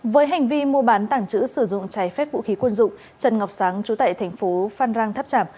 với hành vi mua bán tảng trữ sử dụng cháy phép vũ khí quân dụng trần ngọc sáng chú tại thành phố phan rang tháp trạm